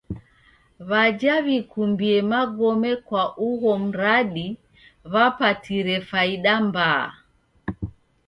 W'aja w'ikumbie magome kwa ugho mradi w'apatire faida mbaa.